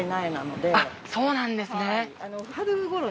そうなんですね。